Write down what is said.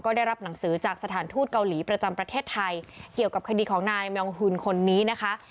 ได้รับหนังสือจากสถานทูตเกาหลีประจำประเทศไทยเกี่ยวกับคดีของนายแมงฮุนคนนี้นะคะ